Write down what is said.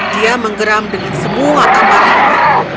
dia menggeram dengan semua kamarnya